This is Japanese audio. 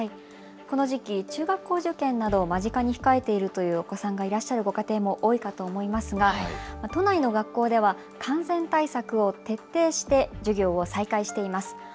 この時期、中学校受験などを間近に控えているというお子さんがいらっしゃるご家庭も多いかと思いますが都内の学校では感染対策を徹底して授業を再開しています。